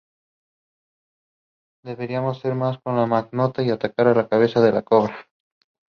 Deberíamos ser más como la mangosta y atacar la cabeza de la cobra"".